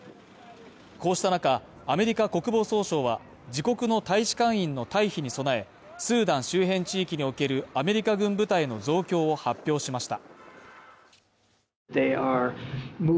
こうした中、アメリカ国防総省は、自国の大使館員の退避に備え、スーダン周辺地域におけるアメリカ軍部隊の増強を発表しました。